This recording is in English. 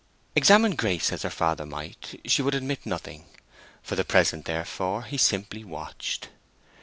Examine Grace as her father might, she would admit nothing. For the present, therefore, he simply watched.